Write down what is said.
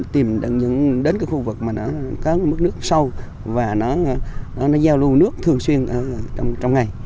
tìm những đến cái khu vực mà nó có mức nước sâu và nó giao lưu nước thường xuyên trong ngày